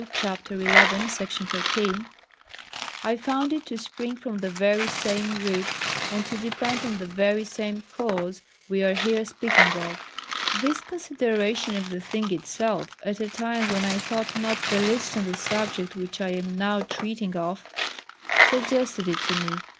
ch. xi., Section 13,) I found it to spring from the very same root, and to depend on the very same cause we are here speaking of. This consideration of the thing itself, at a time when I thought not the least on the subject which I am now treating of, suggested it to me.